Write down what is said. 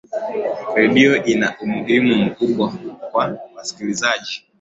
redio bado ina umuhimu mkubwa kwa wasikilizaji